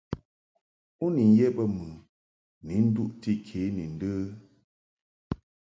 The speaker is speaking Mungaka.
U ni ye bə mɨ ni nduʼti ke ni ndə ?